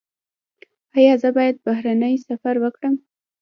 ایا زه باید بهرنی سفر وکړم؟